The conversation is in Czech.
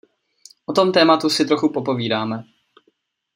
O tom tématu si trochu popovídáme.